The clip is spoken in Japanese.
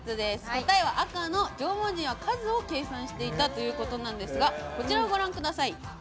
答えは赤の縄文人は数の計算をしていたということですがこちらをご覧ください。